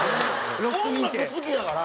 音楽好きやから。